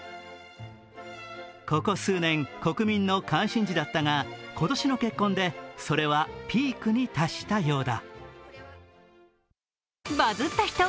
ここ数年、国民の関心事だったが今年の結婚でそれはピークに達したようだ。